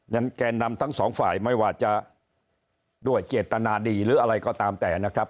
แกนนำทั้งสองฝ่ายไม่ว่าจะด้วยเจตนาดีหรืออะไรก็ตามแต่นะครับ